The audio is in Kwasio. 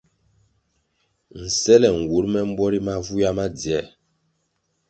Nsele nwur me mbwo ri mavywia ma dziē.